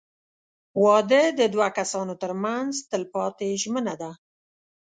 • واده د دوه کسانو تر منځ تلپاتې ژمنه ده.